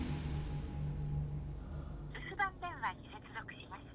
留守番電話に接続します。